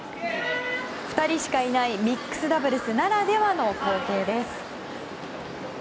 ２人しかいないミックスダブルスならではの光景です。